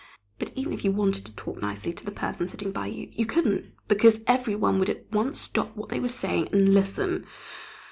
But even if you wanted to talk nicely to the person sitting by you you couldn't, because every one would at once stop what they were saying and listen.